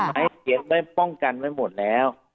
ไม้เขียนได้ป้องกันไว้หมดแล้ว